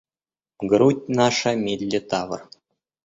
Грудь наша – медь литавр.